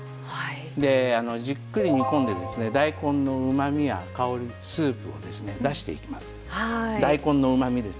じっくり煮込んで大根のうまみや香りスープ、出していきます。